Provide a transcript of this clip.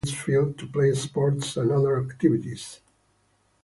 The recreation area includes fields to play sports and other activities.